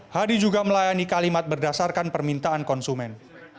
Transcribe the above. hadi juga melayani kalimat berdasarkan permintaan konsumen